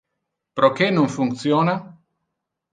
Proque non functiona?